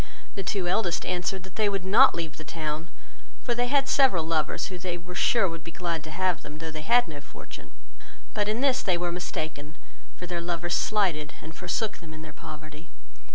The two eldest answered, that they would not leave the town, for they had several lovers, who they were sure would be glad to have them, though they had no fortune; but in this they were mistaken, for their lovers slighted and forsook them in their poverty.